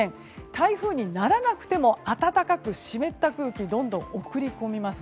台風にならなくても暖かく湿った空気どんどん送り込みます。